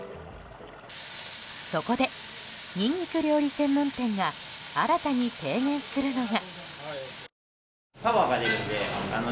そこで、ニンニク料理専門店が新たに提言するのが。